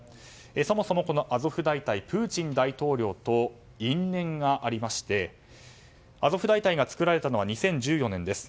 そもそも、このアゾフ大隊プーチン大統領と因縁がありましてアゾフ大隊が作られたのは２０１４年です。